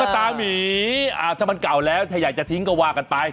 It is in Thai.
ถ้ามันเก่าถึงเราจะทิ้งงวากันไป